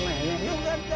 よかった。